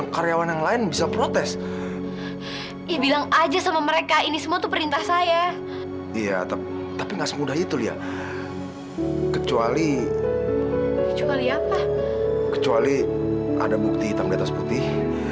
kecuali ada bukti hitam di atas putih